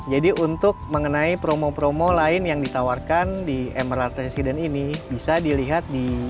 jadi untuk mengenai promo promo lain yang ditawarkan di mlr residence ini bisa dilihat di